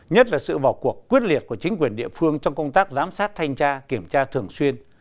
nhất là sự vào cuộc quyết liệt của chính quyền địa phương trong công tác giám sát thanh tra kiểm tra thường xuyên